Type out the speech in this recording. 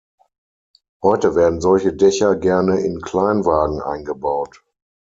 Heute werden solche Dächer gerne in Kleinwagen eingebaut.